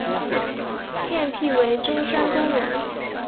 现辟为中山公园。